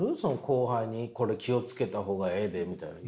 後輩にこれ気を付けた方がええでみたいな。